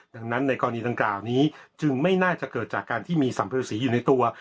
ดังนั้นในกรณีดังกล่าวนี้จึงไม่น่าจะเกิดจากการที่มีสัมภฤษีอยู่ในตัว